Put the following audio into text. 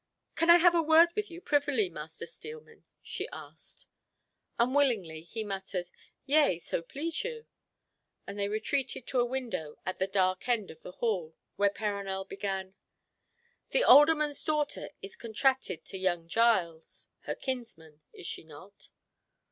"Can I have a word with you, privily, Master Steelman?" she asked. Unwillingly he muttered, "Yea, so please you;" and they retreated to a window at the dark end of the hall, where Perronel began—"The alderman's daughter is contracted to young Giles, her kinsman, is she not?"